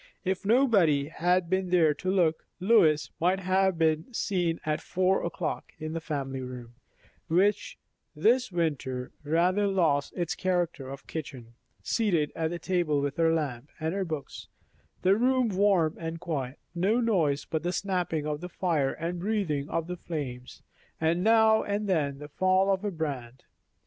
If anybody had been there to look, Lois might have been seen at four o'clock in the family room, which this winter rather lost its character of kitchen, seated at the table with her lamp and her books; the room warm and quiet, no noise but the snapping of the fire and breathing of the flames, and now and then the fall of a brand.